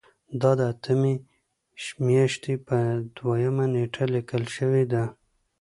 دا د اتمې میاشتې په دویمه نیټه لیکل شوې ده.